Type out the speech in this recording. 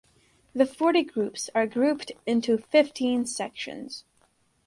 The forty groups are grouped into fifteen sections.